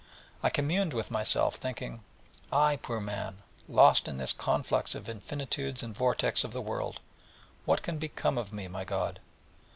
And I communed with myself, thinking: 'I, poor man, lost in this conflux of infinitudes and vortex of the world, what can become of me, my God?